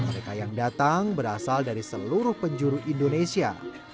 mereka yang datang berasal dari seluruh penjuru indonesia